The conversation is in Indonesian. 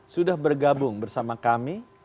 sudah bergabung bersama kami